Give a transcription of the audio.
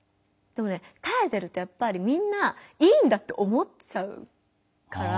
でもねたえてるとやっぱりみんな「いいんだ」って思っちゃうから。